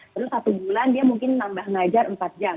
terus satu bulan dia mungkin nambah ngajar empat jam